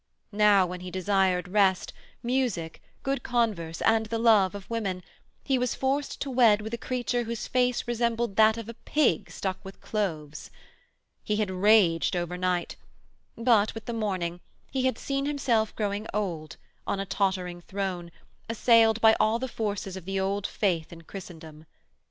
Now, when he desired rest, music, good converse and the love of women, he was forced to wed with a creature whose face resembled that of a pig stuck with cloves. He had raged over night, but, with the morning, he had seen himself growing old, on a tottering throne, assailed by all the forces of the Old Faith in Christendom.